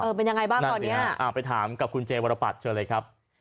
เป็นยังไงบ้างตอนเนี้ยอ่าไปถามกับคุณเจวรปัตรเชิญเลยครับ